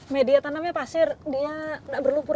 media tanamnya pasir dia tidak berlumpur